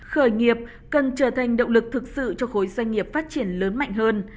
khởi nghiệp cần trở thành động lực thực sự cho khối doanh nghiệp phát triển lớn mạnh hơn